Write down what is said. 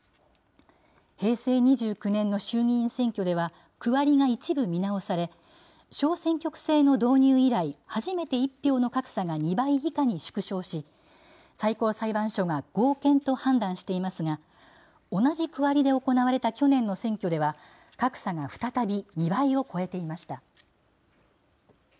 平成２９年の衆議院選挙では、区割りが一部見直され、小選挙区制の導入以来、初めて１票の格差が２倍以下に縮小し、最高裁判所が合憲と判断していますが、同じ区割りで行われた去年の選挙では、格差が再び２倍を超えていました。